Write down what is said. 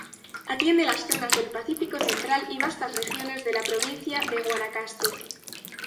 Atiende las zonas del pacífico central y vastas regiones de la provincia de Guanacaste.